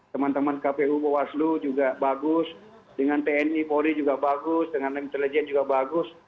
teman teman kpu bawaslu juga bagus dengan tni polri juga bagus dengan intelijen juga bagus